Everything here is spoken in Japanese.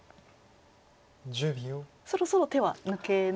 そろそろ手は抜けないですか？